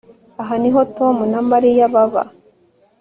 Aha niho Tom na Mariya baba